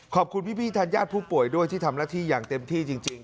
ขอบคุณพี่แทนญาติผู้ป่วยด้วยที่ทำหน้าที่อย่างเต็มที่จริง